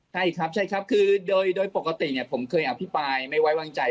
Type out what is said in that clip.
ใช่ครับใช่ครับคือโดยปกติผมเคยอภิปรายไม่ไว้วางใจ